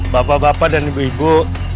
bapak bapak dan ibu ibu